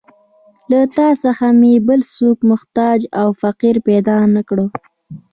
له تا څخه مې بل څوک محتاج او فقیر پیدا نه کړ.